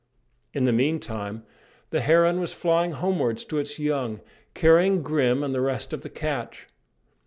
In the meantime the heron was flying homewards to its young, carrying Grim and the rest of the catch.